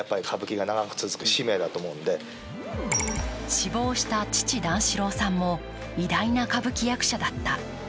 死亡した父・段四郎さんも偉大な歌舞伎役者だった。